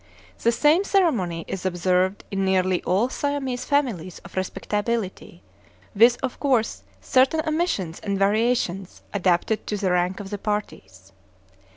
The same ceremony is observed in nearly all Siamese families of respectability, with, of course, certain omissions and variations adapted to the rank of the parties.